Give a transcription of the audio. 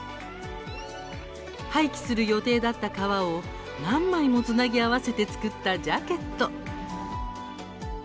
廃棄する予定だった革を何枚もつなぎ合わせて作ったジャケット。